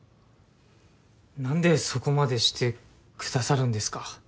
何でそこまでしてくださるんですか？